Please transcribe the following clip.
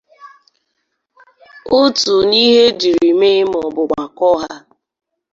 otu na ihe e jiri mee ma bụ gbakọọ ha